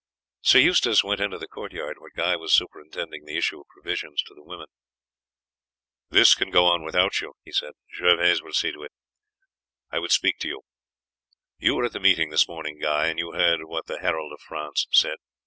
Sir Eustace went into the court yard, where Guy was superintending the issue of provisions for the women. "This can go on without you," he said; "Gervaise will see to it. I would speak to you. You were at the meeting this morning, Guy, and you heard what the herald of France said.